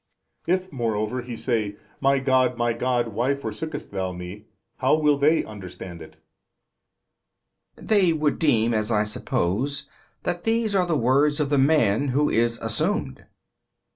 If moreover He say, My God My God why forsookest Thou Me, how will they understand it? B. They would deem, as I suppose, that these are the words of the man who is assumed. A.